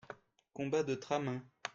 Combat de Tramin.